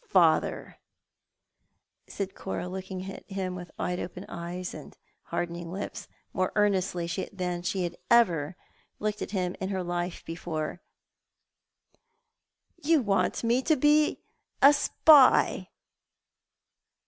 " Father," said Cora, looking at him with wide open eyes and 14 Thou art the Man. hardening lips, more earnestly than she had ever looked at hini in her life before, " you want me to be a spy